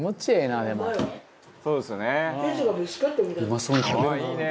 「そうですよね」